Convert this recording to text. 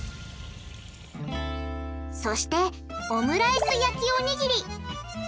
そしてオムライス焼きおにぎり！